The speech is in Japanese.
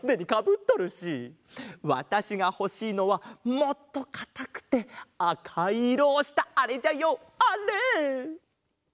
わたしがほしいのはもっとかたくてあかいいろをしたあれじゃよあれ！